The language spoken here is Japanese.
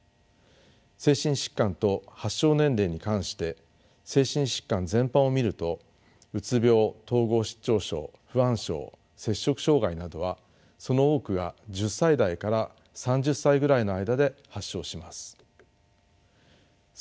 精神疾患と発症年齢に関して精神疾患全般を見るとうつ病統合失調症不安症摂食障害などはその多くが１０歳台から３０歳ぐらいの間で発症します。